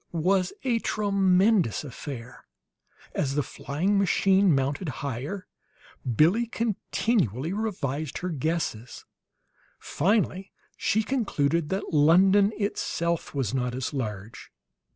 It was a tremendous affair. As the flying machine mounted higher, Billie continually revised her guesses; finally she concluded that London itself was not as large.